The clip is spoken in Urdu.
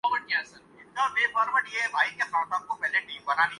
اس کی کمینگی ایک مستقل لطیفہ بن چکی ہے